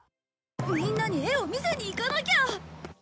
みんなに絵を見せに行かなきゃ！